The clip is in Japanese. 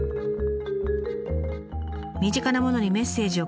身近なものにメッセージを込める。